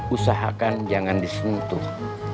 usahakan jangan disentuh